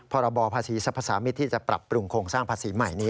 พรบภาษีสรรพสามิตรที่จะปรับปรุงโครงสร้างภาษีใหม่นี้